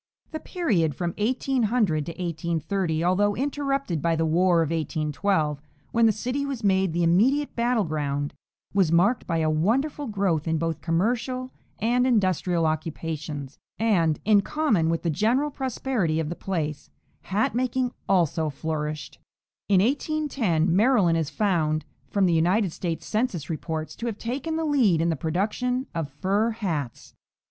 The period from 1800 30, although interrupted by the war of 1812, when the city was made the immediate battle ground, was marked by a wonderful growth in both commercial and industrial occupations, and, in common with the general prosperity of the place, hat making also flourished. In 1810 Maryland is found, from the United States census reports, to have taken the lead in the production of fur hats.